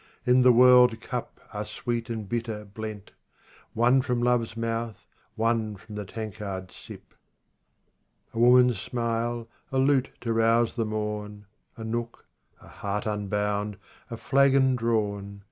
In the world cup are sweet and bitter blent ; One from love's mouth, one from the tankard sip. 9 A woman's smile, a lute to rouse the morn, A nook, a heart unbound, a flagon drawn.